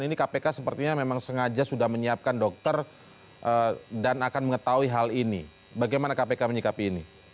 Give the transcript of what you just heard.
ini kpk sepertinya memang sengaja sudah menyiapkan dokter dan akan mengetahui hal ini bagaimana kpk menyikapi ini